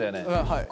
はい。